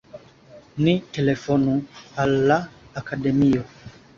Ni telefonu al la Akademio!